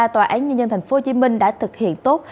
tòa án nhân dân tp hcm đã thực hiện tốt